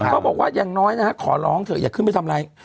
เขาบอกว่าอย่างน้อยนะฮะขอร้องเถอะอย่าขึ้นไปทำอะไร